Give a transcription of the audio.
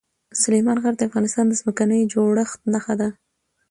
سلیمان غر د افغانستان د ځمکې د جوړښت نښه ده.